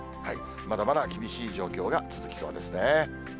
まだまだ厳しい状況が続きそうですね。